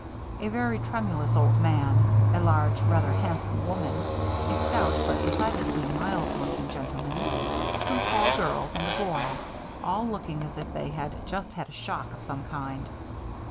A very tremulous old man, a large, rather handsome woman, a stout, but decidedly mild looking gentleman, two tall girls, and a boy; all looking as if they had just had a shock of some kind.